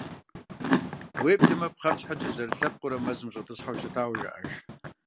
Уеблэмэ, пхъэм щхьэкӏэ зэрылъэпкъыурэ мэзым щӏэтӏысхьэу щытауэ жаӏэж.